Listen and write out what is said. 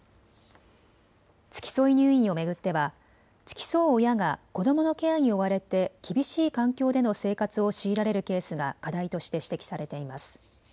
付き添い入院を巡っては付き添う親が子どものケアに追われて厳しい環境での生活を強いられるケースが課題として指摘されています。